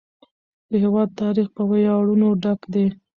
د هېواد تاریخ په ویاړونو ډک دی.